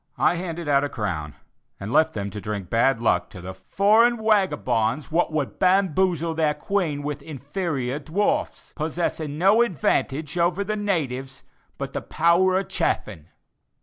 I handed out a crown, and left them to drink bad luck to the "foreign wagabonds what would bamboozle their Queen with inferior dwarfs, possessing no advantage over the 'natyves' but the power of chaffing."